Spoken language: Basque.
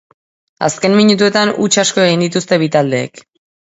Azken minutuetan huts asko egin dituzte bi taldeek.